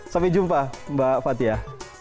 sampai jumpa mbak fathia